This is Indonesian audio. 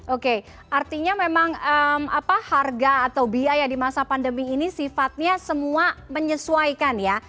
oke artinya memang harga atau biaya di masa pandemi ini sifatnya semua menyesuaikan ya